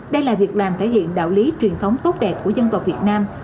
đây là việc làm thể hiện đạo lý truyền thống tốt đẹp của dân tộc việt nam